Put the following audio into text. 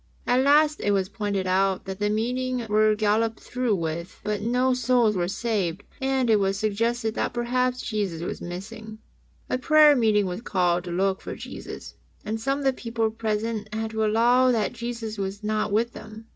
At last it was pointed out that the meetings were galloped through with, but no souls were saved, and it was suggested that perhaps Jesus was missing. A prayer meeting was called to look for Jesus, and some of the people present had to allow that Jesus was not with them.